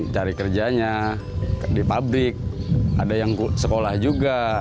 cari kerjanya di pabrik ada yang sekolah juga